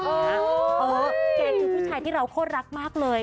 เก่คือผู้ชายที่เราก็รักมากเลย